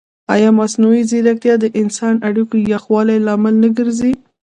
ایا مصنوعي ځیرکتیا د انساني اړیکو یخوالي لامل نه ګرځي؟